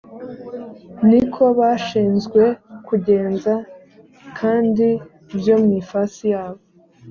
ni ko bashinzwe kugenza kandi byo mu ifasi yabo